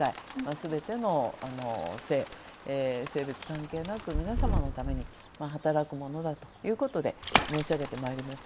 すべての性別関係なく皆様のために働くものだということで、申し上げておりました。